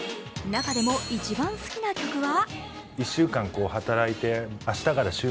中でも一番好きな曲は？